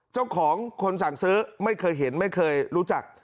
เจ้าของคนสั่งซื้อไม่เคยเห็นไม่เคยรู้จัก